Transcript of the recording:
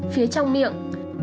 phía trong miệng